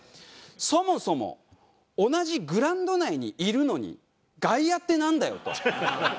そもそも同じグラウンド内にいるのに「外野」ってなんだよと。